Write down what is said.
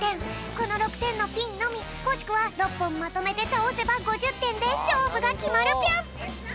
この６てんのピンのみもしくは６ぽんまとめてたおせば５０てんでしょうぶがきまるぴょん！